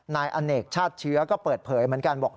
นายอเนกชาติเชื้อก็เปิดเผยเหมือนกันบอก